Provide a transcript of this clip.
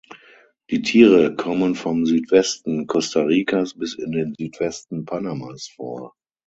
Die Tiere kommen vom Südwesten Costa Ricas bis in den Südwesten Panamas vor.